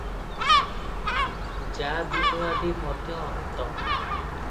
ଯା ବିନୁ ଆଦି ମଧ୍ୟ ଅନ୍ତ ।